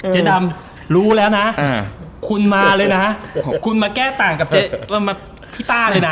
เจ๊ดำรู้แล้วนะคุณมาเลยนะคุณมาแก้ต่างกับพี่ต้าเลยนะ